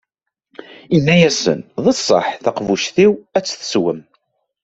Inna-asen: D ṣṣeḥḥ, taqbuct-iw, a tt-teswem.